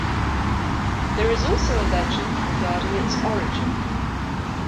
There is also a legend regarding its origin.